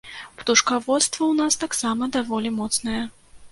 Птушкаводства ў нас таксама даволі моцнае.